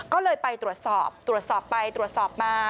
ก็เลยไปตรวจสอบตรวจสอบไปตรวจสอบมา